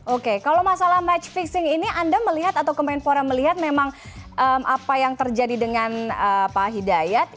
oke kalau masalah match fixing ini anda melihat atau kemenpora melihat memang apa yang terjadi dengan pak hidayat